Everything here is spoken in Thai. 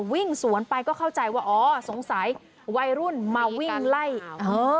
วิ่งสวนไปก็เข้าใจว่าอ๋อสงสัยวัยรุ่นมาวิ่งไล่เออ